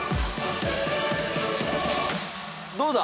どうだ？